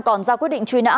còn ra quyết định truy nã